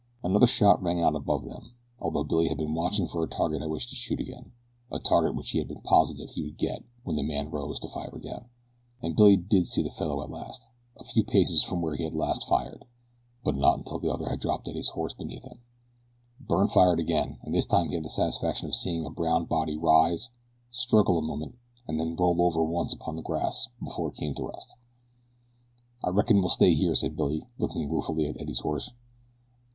Another shot rang out above them, although Billy had been watching for a target at which to shoot again a target which he had been positive he would get when the man rose to fire again. And Billy did see the fellow at last a few paces from where he had first fired; but not until the other had dropped Eddie's horse beneath him. Byrne fired again, and this time he had the satisfaction of seeing a brown body rise, struggle a moment, and then roll over once upon the grass before it came to rest. "I reckon we'll stay here," said Billy, looking ruefully at Eddie's horse.